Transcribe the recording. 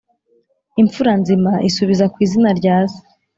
imfura nzima isubiza ku izina rya se,